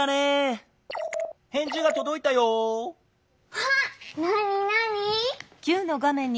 あっなになに？